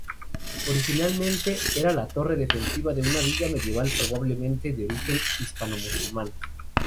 Originalmente era la torre defensiva de una villa medieval, probablemente de origen hispanomusulmán.